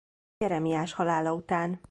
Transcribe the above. Jeremiás halála után.